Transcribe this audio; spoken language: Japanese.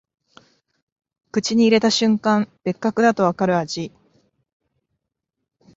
口に入れた瞬間、別格だとわかる味